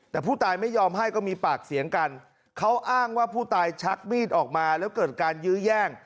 แต่ผู้ตายไม่ยอมให้ก็มีปากเสียงกันเขาอ้างว่าผู้ตายชักมีดออกมาแล้วเกิดการยื้อแย่ง